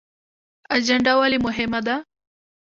اجنډا ولې مهمه ده؟